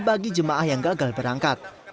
bagi jemaah yang gagal berangkat